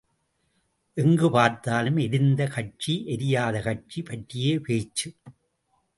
எங்குப் பார்த்தாலும் எரிந்த கட்சி எரியாத கட்சி பற்றியே பேச்சு!